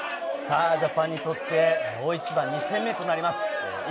ジャパンにとって大一番、２戦目となります。